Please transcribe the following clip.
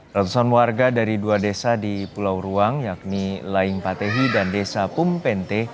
ratusan warga dari dua desa di pulau ruang yakni laing patehi dan desa pumppente